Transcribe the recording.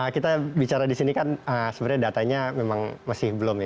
kita bicara di sini kan sebenarnya datanya memang masih belum ya